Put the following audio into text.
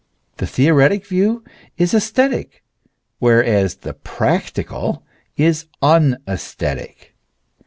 The theoretic view is aesthetic, whereas the practical is unaesthetic.